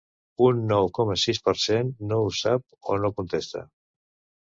Un nou coma sis per cent no ho sap o no contesta.